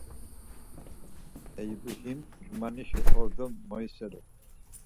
Eyubi him ç̌umanişi ordo moiselu.